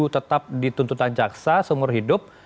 tetap dituntutan jaksa seumur hidup